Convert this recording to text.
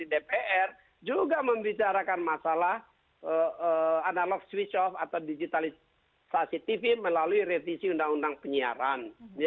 dua ribu sembilan belas di dpr juga membicarakan masalah analog switch off atau digitalisasi tv melalui revisi undang undang penyiaran